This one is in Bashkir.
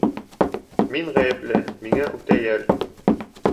Мин ғәйепле! Миңә үтә йәл!